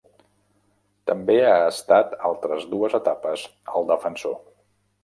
També ha estat altres dues etapes al Defensor.